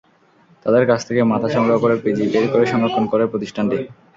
তাদের কাছ থেকে মাথা সংগ্রহ করে পিজি বের করে সংরক্ষণ করে প্রতিষ্ঠানটি।